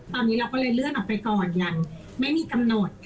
ตอนนี้เราก็เลยเลื่อนออกไปก่อนอย่างไม่มีกำหนด